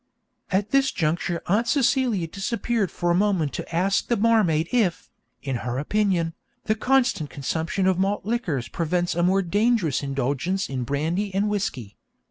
At this juncture Aunt Celia disappeared for a moment to ask the barmaid if, in her opinion, the constant consumption of malt liquors prevents a more dangerous indulgence in brandy and whisky.